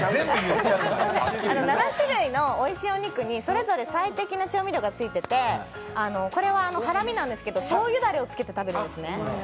７種類のおいしいお肉に、それぞれ最適な調味料がついててこれはハラミなんですけど、しょうゆだれをつけて食べるんですね。